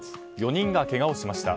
４人がけがをしました。